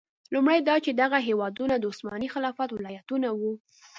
لومړی دا چې دغه هېوادونه د عثماني خلافت ولایتونه وو.